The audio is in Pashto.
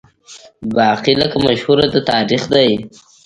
باقي لکه مشهوره ده تاریخ دی